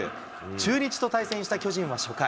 中日と対戦した巨人は初回。